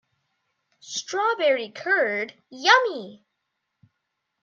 Strawberry curd, yummy!